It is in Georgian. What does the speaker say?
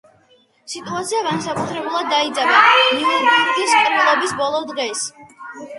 სიტუაცია განსაკუთრებულად დაიძაბა ნიურნბერგის ყრილობის ბოლო დღეს.